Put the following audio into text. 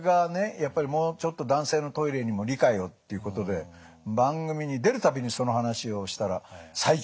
やっぱりもうちょっと男性のトイレにも理解をということで番組に出る度にその話をしたら最近増えてきましたよね。